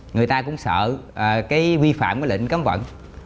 người ta cũng sợ cái vi phạm cái lệnh cấm vận